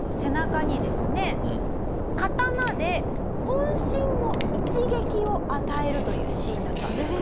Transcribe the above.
刀で渾身の一撃を与えるというシーンだったんですね。